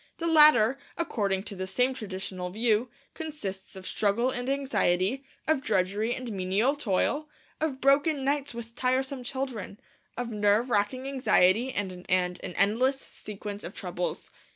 The latter, according to the same traditional view, consists of struggle and anxiety, of drudgery and menial toil, of broken nights with tiresome children, of nerve racking anxiety and an endless sequence of troubles.